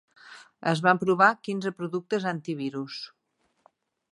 Es van provar quinze productes antivirus.